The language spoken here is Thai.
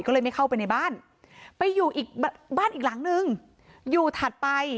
ก็เลยไม่เข้าไปในบ้านไปอยู่อีกบ้านอีกหลังนึงอยู่ถัดไป